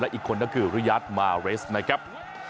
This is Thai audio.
อีกคนก็คือริยาทมาเรสนะครับ